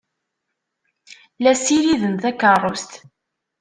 La ssiriden takeṛṛust.